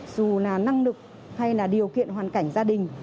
dù là năng lực hay là điều kiện hoàn cảnh gia đình